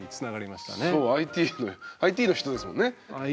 そうＩＴＩＴの人ですもんね。